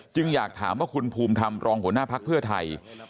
ขึงอยากถามว่าคุณภูมิธรรมตรองหัวหน้าพรรคเท้าไทย